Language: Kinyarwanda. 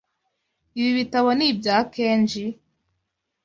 Ibi bitabo ni ibya Kenji?